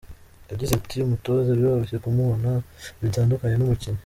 Yagize ati “ Umutoza biroroshye kumubona bitandukanye n’umukinnyi.